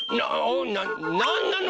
なんなの？